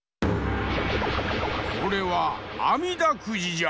これは「あみだくじ」じゃ！